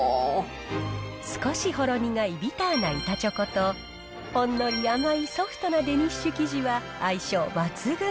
少しほろ苦いビターな板チョコと、ほんのり甘いソフトなデニッシュ生地は相性抜群。